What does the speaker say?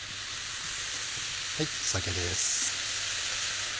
酒です。